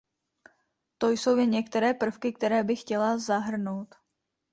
To jsou jen některé prvky, které bych chtěla zahrnout.